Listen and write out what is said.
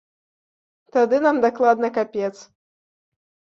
Тады нам дакладна капец.